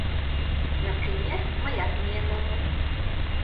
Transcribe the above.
Например, мыят миен омыл.